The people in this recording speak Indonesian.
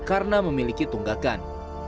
karena memiliki tunggakan